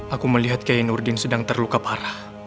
aku melihat kiai nurdin sedang terluka parah